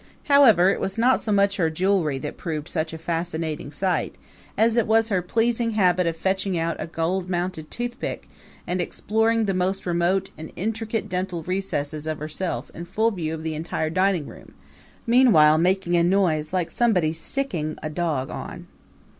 However, it was not so much her jewelry that proved such a fascinating sight as it was her pleasing habit of fetching out a gold mounted toothpick and exploring the most remote and intricate dental recesses of herself in full view of the entire dining room, meanwhile making a noise like somebody sicking a dog on.